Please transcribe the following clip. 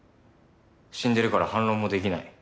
死んでるから反論もできない。